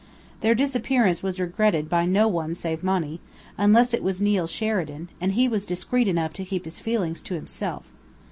Their disappearance was regretted by no one save Monny, unless it was Neill Sheridan, and he was discreet enough to keep his feelings to himself.